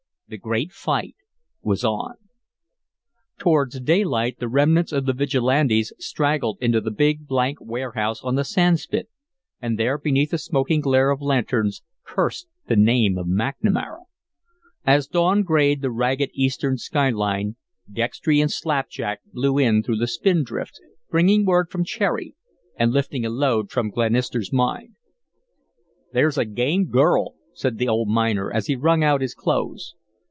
The great fight was on. Towards daylight the remnants of the Vigilantes straggled into the big blank warehouse on the sand spit, and there beneath the smoking glare of lanterns cursed the name of McNamara. As dawn grayed the ragged eastern sky line, Dextry and Slapjack blew in through the spindrift, bringing word from Cherry and lifting a load from Glenister's mind. "There's a game girl," said the old miner, as he wrung out his clothes.